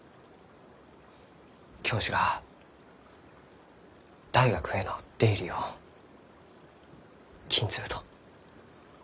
教授が大学への出入りを禁ずると。